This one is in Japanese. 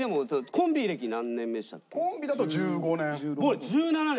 コンビだと１５年。